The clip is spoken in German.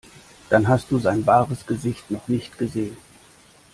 Dann hast du sein wahres Gesicht noch nicht gesehen.